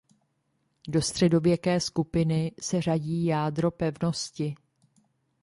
Do středověké skupiny se řadí jádro pevnosti.